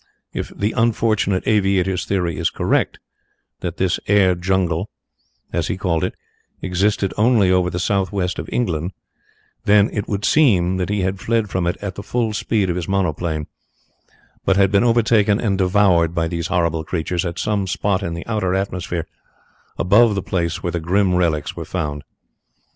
If the unfortunate aviator's theory is correct that this air jungle, as he called it, existed only over the south west of England, then it would seem that he had fled from it at the full speed of his monoplane, but had been overtaken and devoured by these horrible creatures at some spot in the outer atmosphere above the place where the grim relics were found.